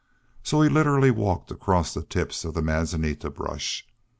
So he literally walked across the tips of the manzanita brush.